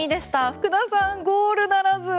福田さん、ゴールならず。